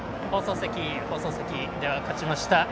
放送席、放送席勝ちました